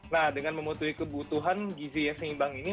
nah dengan memetuhi kebutuhan gizi seimbang ini